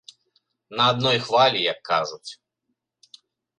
На адной хвалі, як кажуць.